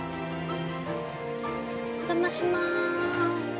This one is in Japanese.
お邪魔します。